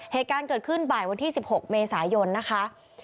เหตุการณ์เกิดขึ้นบ่ายวันที่๑๖เมษายนนะคะ